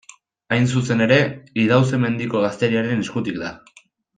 Hain zuzen ere, Idauze-Mendiko gazteriaren eskutik da.